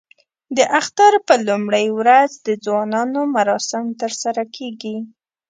د اختر په لومړۍ ورځ د ځوانانو مراسم ترسره کېږي.